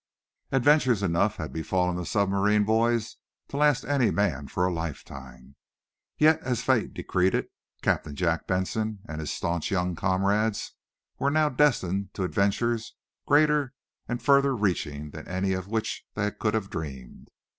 Adventures enough had befallen the submarine boys to last any man for a lifetime. Yet, as fate decreed it, Captain Jack Benson and his staunch young comrades were now destined to adventures greater and further reaching than any of which they could have dreamed.